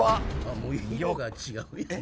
もう色が違うやんけ。